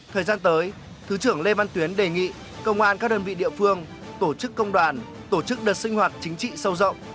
thời gian tới thứ trưởng lê văn tuyến đề nghị công an các đơn vị địa phương tổ chức công đoàn tổ chức đợt sinh hoạt chính trị sâu rộng